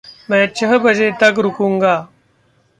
मैं छह बजे तक रुकूँगा।